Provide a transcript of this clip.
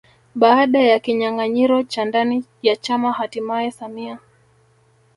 Baada ya kinyanganyiro cha ndani ya chama hatimaye samia